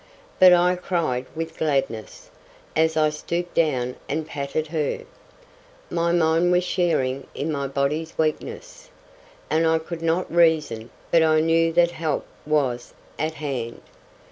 But I cried with gladness, as I stooped down and patted her. My mind was sharing in my body's weakness, and I could not reason, but I knew that help was at hand.